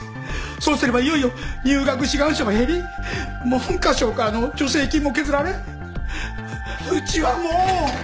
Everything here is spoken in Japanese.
そうすればいよいよ入学志願者も減り文科省からの助成金も削られうちはもう。